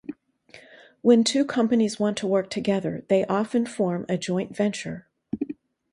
When two companies want to work together, they often form a joint venture.